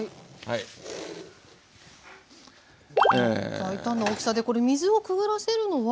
大胆な大きさでこれ水をくぐらせるのは何か？